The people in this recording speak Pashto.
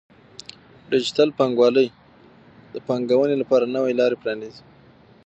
ډیجیټل بانکوالي د پانګونې لپاره نوې لارې پرانیزي.